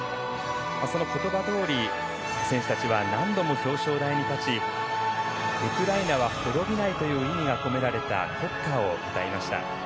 その言葉どおり選手たちは何度も表彰台に立ちウクライナは滅びないという意味が込められた国歌を歌いました。